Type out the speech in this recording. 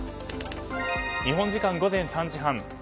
日本時間午前３時半。